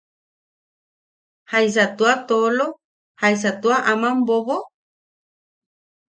¿Jaisa tua toolo, jaisa tua aman bobo?